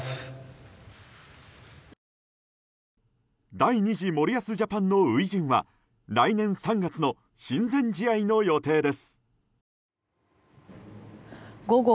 第２次森保ジャパンの初陣は来年３月の親善試合の予定です。